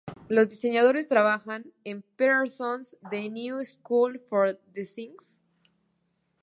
Los diseñadores trabajan en "Parsons The New School for Design".